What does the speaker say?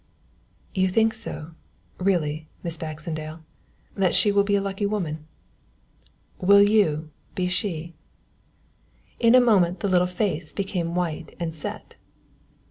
"You think so, really, Miss Baxendale, that she will be a lucky woman. Will you be she?" In a moment the little face became white and set.